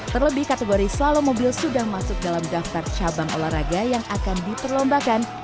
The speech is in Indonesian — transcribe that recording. terlebih kategori slalom mobil sudah masuk dalam daftar cabang olahraga yang akan diperlombakan